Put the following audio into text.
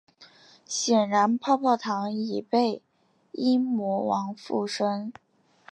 显然泡泡糖已被阴魔王附身。